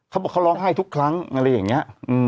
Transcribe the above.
เขาบอกเขาร้องไห้ทุกครั้งอะไรอย่างนี้